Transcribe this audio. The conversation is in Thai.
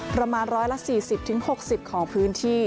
ประมาณ๑๔๐๖๐ของพื้นที่